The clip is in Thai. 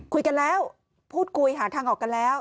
คุยกันแล้วพูดคุยหาทางออกกันแล้ว